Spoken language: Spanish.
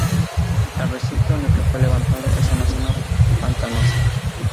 El recinto en el que fue levantado es una zona pantanosa.